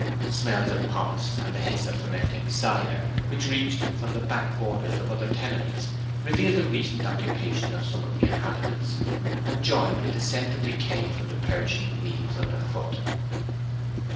Smells of pomace, and the hiss of fermenting cider, which reached him from the back quarters of other tenements, revealed the recent occupation of some of the inhabitants, and joined with the scent of decay from the perishing leaves underfoot.